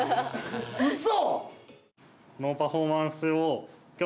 うそ！